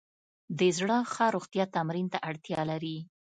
د زړه ښه روغتیا تمرین ته اړتیا لري.